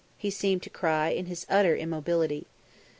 he seemed to cry in his utter immobility.